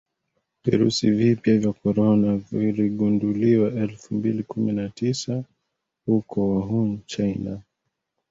Virusi vipya vya korona viligunduliwa elfu mbili kumi na tisa huko Wuhan China